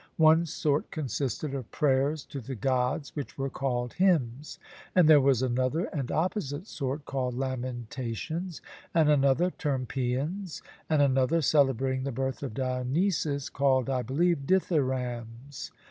One sort consisted of prayers to the Gods, which were called hymns; and there was another and opposite sort called lamentations, and another termed paeans, and another, celebrating the birth of Dionysus, called, I believe, 'dithyrambs.'